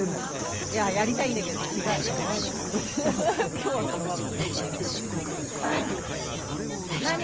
今日はこのまま。